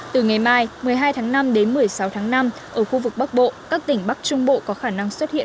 từ ngày mai một mươi hai tháng năm đến một mươi sáu tháng năm ở khu vực bắc bộ các tỉnh bắc trung bộ có khả năng xuất hiện